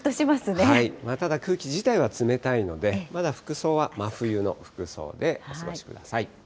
ただ、空気自体は冷たいので、まだ服装は真冬の服装でお過ごしください。